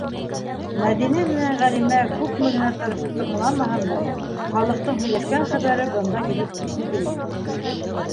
Мәҙинә менән Ғәлимә күпме генә тырышып тыңламаһындар, халыҡтың һөйләшкән хәбәре бында килеп ишетелмәй.